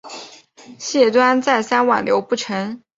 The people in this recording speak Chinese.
谢端再三挽留不成。